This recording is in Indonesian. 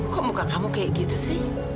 kok muka kamu kayak gitu sih